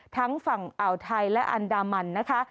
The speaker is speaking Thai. ทั้งฝั่งอ่าวไทยและอันดามันนะคะ